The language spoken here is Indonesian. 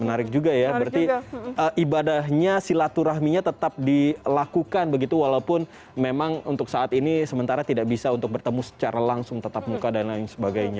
menarik juga ya berarti ibadahnya silaturahminya tetap dilakukan begitu walaupun memang untuk saat ini sementara tidak bisa untuk bertemu secara langsung tetap muka dan lain sebagainya